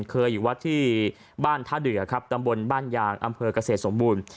เคยอยู่วัดที่บ้านท่าเดือครับตำบลบ้านยางอำเภอกเกษตรสมบูรณ์